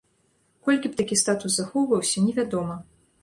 Колькі б такі статус захоўваўся, невядома.